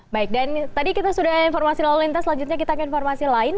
baik dan tadi kita sudah informasi lalu lintas selanjutnya kita akan informasi lain